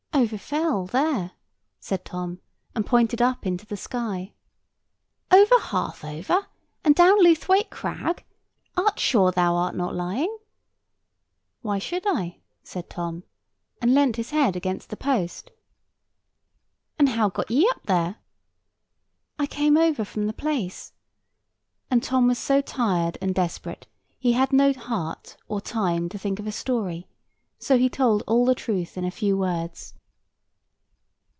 "Over Fell, there," said Tom, and pointed up into the sky. "Over Harthover? and down Lewthwaite Crag? Art sure thou art not lying?" "Why should I?" said Tom, and leant his head against the post. "And how got ye up there?" "I came over from the Place;" and Tom was so tired and desperate he had no heart or time to think of a story, so he told all the truth in a few words.